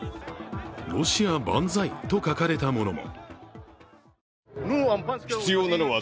ロシア万歳と書かれたものも。